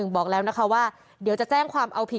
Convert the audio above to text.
บอกแล้วนะคะว่าเดี๋ยวจะแจ้งความเอาผิด